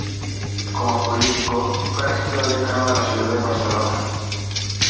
Como político, fue Regidor Decano de la Ciudad de Barcelona,